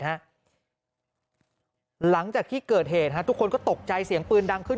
หลังจากที่เกิดเหตุทุกคนก็ตกใจเสียงปืนดังขึ้น